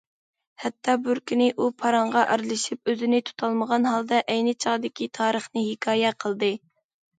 ھەتتا بىر كۈنى ئۇ پاراڭغا ئارىلىشىپ، ئۆزىنى تۇتالمىغان ھالدا ئەينى چاغدىكى تارىخىنى ھېكايە قىلدى.